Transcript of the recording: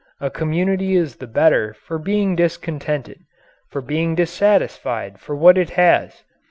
A community is the better for being discontented, for being dissatisfied with what it has.